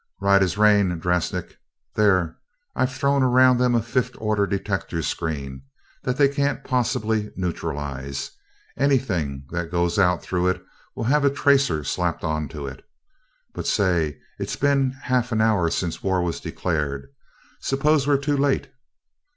"Right as rain, Drasnik. There I've thrown around them a fifth order detector screen, that they can't possibly neutralize. Anything that goes out through it will have a tracer slapped onto it. But say, it's been half an hour since war was declared suppose we're too late?